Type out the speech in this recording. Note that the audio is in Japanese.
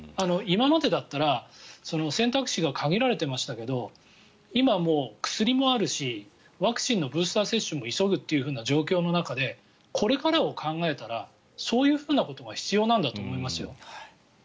今までだったら選択肢が限られていましたけど今もう、薬もあるしワクチンのブースター接種も急ぐという状況の中でこれからを考えたらそういうふうなことが必要なんだと思いますよ。